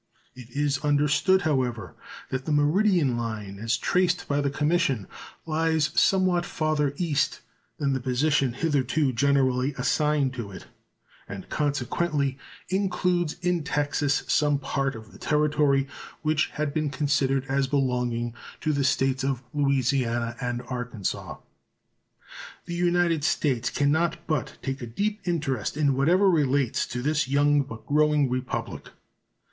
It is understood, however, that the meridian line as traced by the commission lies somewhat farther east than the position hitherto generally assigned to it, and consequently includes in Texas some part of the territory which had been considered as belonging to the States of Louisiana and Arkansas. The United States can not but take a deep interest in whatever relates to this young but growing Republic.